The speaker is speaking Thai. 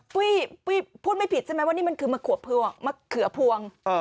ปุ้ยพูดไม่ผิดใช่ไหมว่านี่มันคือมะเขือพวงมะเขือพวง